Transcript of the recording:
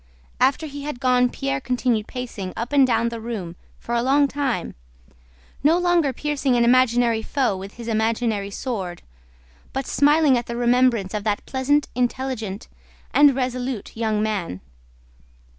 After he had gone Pierre continued pacing up and down the room for a long time, no longer piercing an imaginary foe with his imaginary sword, but smiling at the remembrance of that pleasant, intelligent, and resolute young man.